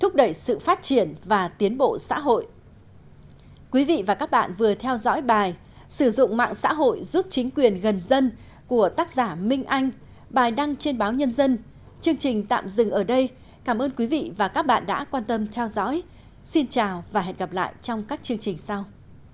chương trình tạm dừng ở đây cảm ơn quý vị và các bạn đã quan tâm theo dõi xin chào và hẹn gặp lại trong các chương trình sau